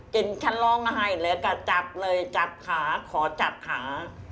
ฉันร้องไห้แล้วก็จับเลยจับขาขอจับขา